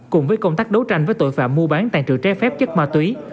cùng với công tác đấu tranh với tội phạm mua bán tàn trự trái phép chất ma túy